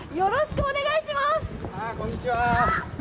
こんにちは。